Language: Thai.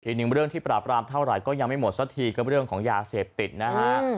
อีกหนึ่งเรื่องที่ปราบรามเท่าไหร่ก็ยังไม่หมดสักทีกับเรื่องของยาเสพติดนะฮะ